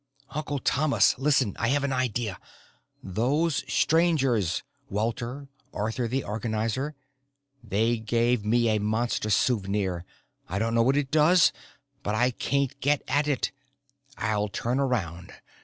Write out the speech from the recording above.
"Uncle Thomas, listen! I have an idea. Those Strangers Walter, Arthur the Organizer they gave me a Monster souvenir. I don't know what it does, but I can't get at it. I'll turn around.